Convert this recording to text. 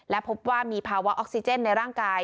และพบว่ามีภาวะออกซิเจนในร่างกาย